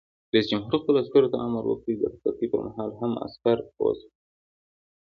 رئیس جمهور خپلو عسکرو ته امر وکړ؛ د رخصتۍ پر مهال هم، عسکر اوسئ!